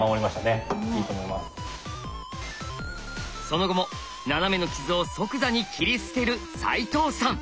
その後もナナメの傷を即座に切り捨てる齋藤さん。